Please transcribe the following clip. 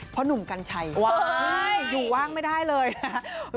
เพราะหนุ่มกัญชัยอยู่ว่างไม่ได้เลยนะ